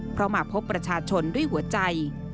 เพราะมาพบประชาชนด้วยหัวใจ